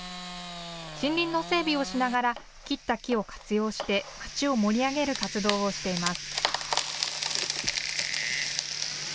森林の整備をしながら切った木を活用して町を盛り上げる活動をしています。